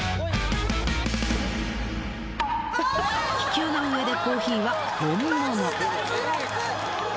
気球の上でコーヒーは本物。